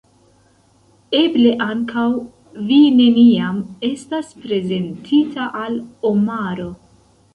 Eble ankaŭ vi neniam estas prezentita al Omaro.